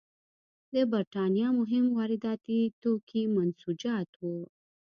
د برېټانیا مهم وارداتي توکي منسوجات وو.